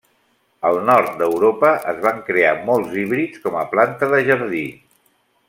Al nord d'Europa es van crear molts híbrids com a planta de jardí.